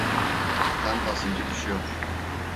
Kan basıncı düşüyor.